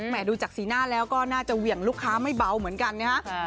ดูจากสีหน้าแล้วก็น่าจะเหวี่ยงลูกค้าไม่เบาเหมือนกันนะฮะ